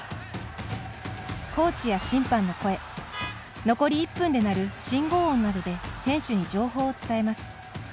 コーチや審判の声残り１分で鳴る信号音などで選手に情報を伝えます。